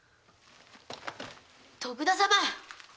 徳田様！